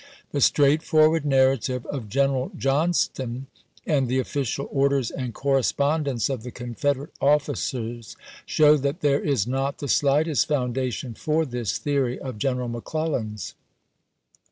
The straightforward narrative of General John ston, and the official orders and correspondence of MANASSAS EVACUATED 175 the Confederate officers, show that there is not the chap. x. slightest foundation for this theory of General Mc Clellan's.